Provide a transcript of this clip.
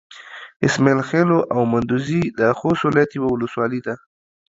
اسماعيل خېلو او مندوزي د خوست ولايت يوه ولسوالي ده.